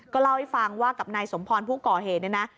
เล่าให้ฟังว่ากับนายสมพรผู้ก่อเหตุเนี่ยนะ